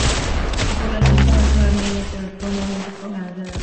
Su población permaneció armenia, pero fue gradualmente romanizada.